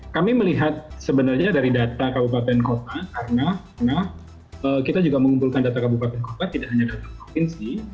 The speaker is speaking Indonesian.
kami melihat sebenarnya dari data kabupaten kota karena kita juga mengumpulkan data kabupaten kota tidak hanya data provinsi